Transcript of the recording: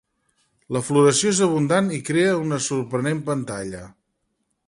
La floració és abundant i crea una sorprenent pantalla.